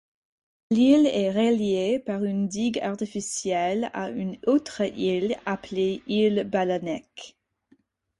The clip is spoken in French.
L'île est reliée par une digue artificielle à une autre île appelée Île Balanec.